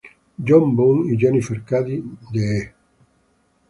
John Boone y Jennifer Cady de E!